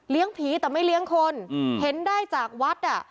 ผีแต่ไม่เลี้ยงคนเห็นได้จากวัดอ่ะ